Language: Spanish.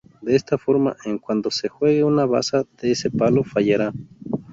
De esta forma, en cuanto se juegue una baza de ese palo, fallará.